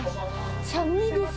寒いです。